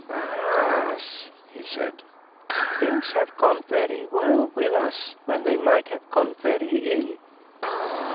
"Baas," he said, "things have gone very well with us when they might have gone very ill.